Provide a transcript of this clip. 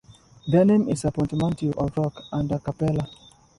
Their name is a portmanteau of "rock" and "a cappella".